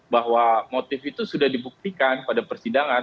bahwa motif itu sudah dibuktikan pada persidangan